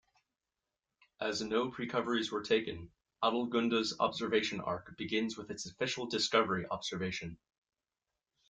As no precoveries were taken, "Adelgunde"s observation arc begins with its official discovery observation.